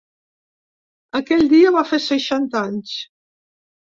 Aquell dia va fer seixanta anys.